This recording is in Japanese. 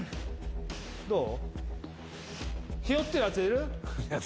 どう？